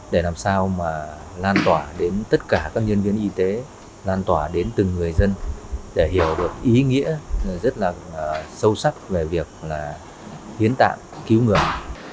để làm sao mà lan tỏa đến tất cả các nhân viên y tế lan tỏa đến từng người dân để hiểu được ý nghĩa rất là sâu sắc về việc là hiến tạng cứu người